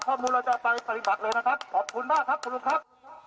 ขอบคุณมากครับขอบคุณมากครับลุงครับ